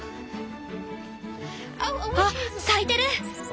あっ咲いてる！